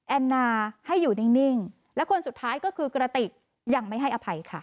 แอนนาให้อยู่นิ่งและคนสุดท้ายก็คือกระติกยังไม่ให้อภัยค่ะ